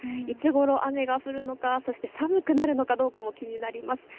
いつごろ雨が降るのか、そして寒くなるのかどうかも気になります。